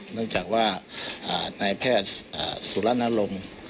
เนื่องจากว่านายแพทย์สุรณรงค์